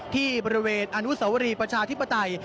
ที่บริเวณอนุสวรีประชาธิปไตย